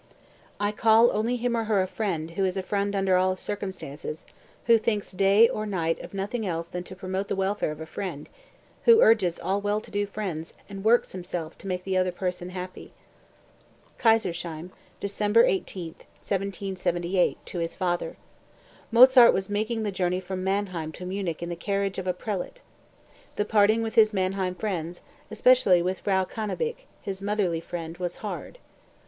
199. "I call only him or her a friend who is a friend under all circumstances, who thinks day or night of nothing else than to promote the welfare of a friend, who urges all well to do friends and works himself to make the other person happy." (Kaisersheim, December 18, 1778, to his father. Mozart was making the journey from Mannheim to Munich in the carriage of a prelate. The parting with his Mannheim friends, especially with Frau Cannabich, his motherly friend, was hard.